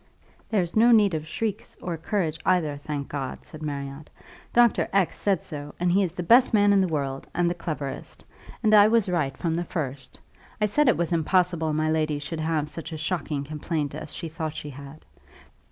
"There's no need of shrieks, or courage either, thank God," said Marriott. "Dr. X says so, and he is the best man in the world, and the cleverest. And I was right from the first; I said it was impossible my lady should have such a shocking complaint as she thought she had.